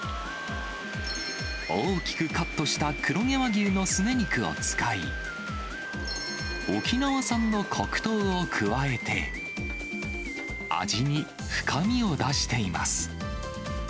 大きくカットした黒毛和牛のすね肉を使い、沖縄産の黒糖を加えて、味に深みを出しています。